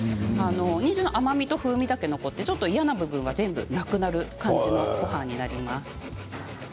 にんじんの甘みと風味だけ残って嫌な部分が全部なくなる感じのごはんになります。